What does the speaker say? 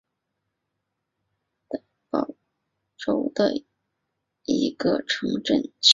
赖特韦因是德国勃兰登堡州的一个市镇。